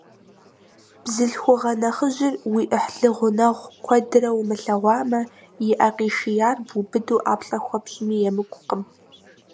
Бзылъхугъэ нэхъыжьыр уи ӏыхьлы гъунэгъу куэдрэ умылъэгъуамэ, и ӏэ къишияр бубыду ӏэплӏэ хуэпщӏми емыкӏукъым.